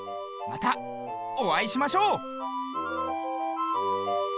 またおあいしましょう！